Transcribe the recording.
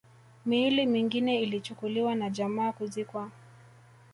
Miili mingine ilichukuliwa na jamaa kuzikwa